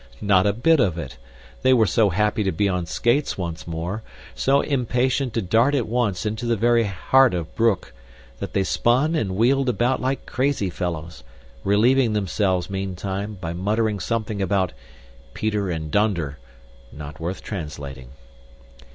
Not a bit of it. They were so happy to be on skates once more, so impatient to dart at once into the very heart of Broek, that they spun and wheeled about like crazy fellows, relieving themselves, meantime, by muttering something about "Peter and donder" not worth translating.